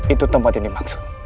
itu tempat ini maksud